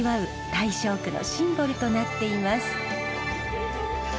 大正区のシンボルとなっています。